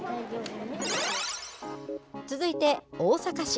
続いて大阪市。